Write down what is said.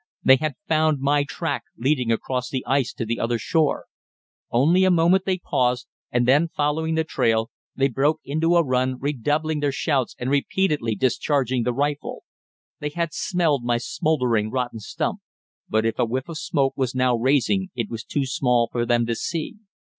They had found my track leading across the ice to the other shore. Only a moment they paused, and then, following the trail, they broke into a run, redoubling their shouts and repeatedly discharging the rifle. They had smelled my smouldering rotten stump, but if a whiff of smoke was now rising it was too small for them to see.